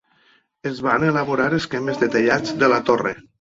Es van elaborar esquemes detallats de la torre.